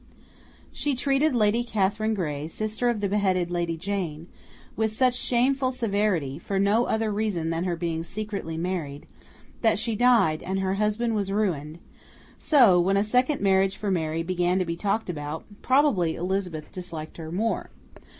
She treated Lady Catherine Grey, sister of the beheaded Lady Jane, with such shameful severity, for no other reason than her being secretly married, that she died and her husband was ruined; so, when a second marriage for Mary began to be talked about, probably Elizabeth disliked her more.